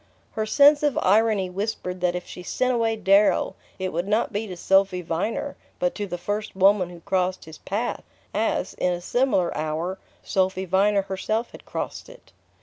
Her sense of irony whispered that if she sent away Darrow it would not be to Sophy Viner, but to the first woman who crossed his path as, in a similar hour, Sophy Viner herself had crossed it...